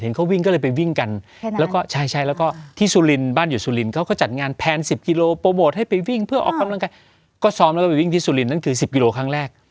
เขาวิ่งก็เลยไปวิ่งกันแล้วก็ใช่แล้วก็ที่สุรินทร์บ้านอยู่สุรินทร์เขาก็จัดงานแพน๑๐กิโลโปรโมทให้ไปวิ่งเพื่อออกกำลังกายก็ซ้อมแล้วก็ไปวิ่งที่สุรินนั่นคือ๑๐กิโลครั้งแรก